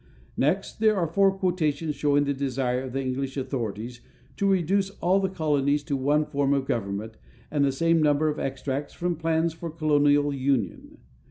Next there are four quotations showing the desire of the English authorities to reduce all the colonies to one form of government; and the same number of extracts from plans for colonial union.